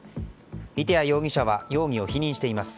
射手矢容疑者は容疑を否認しています。